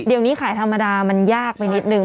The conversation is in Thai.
เดี๋ยวนี้ขายธรรมดามันยากไปนิดนึง